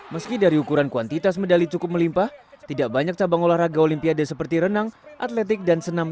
meski dari ukuran kuantitas medali cukup melimpah tidak banyak cabang olahraga olimpiade seperti renang atletik dan senam